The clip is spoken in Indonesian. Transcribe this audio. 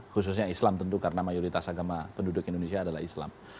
khususnya islam tentu karena mayoritas agama penduduk indonesia adalah islam